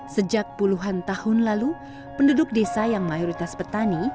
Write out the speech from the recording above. sejak puluhan tahun lalu penduduk desa yang mayoritas petani